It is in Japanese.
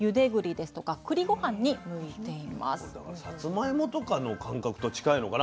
だからさつまいもとかの感覚と近いのかな。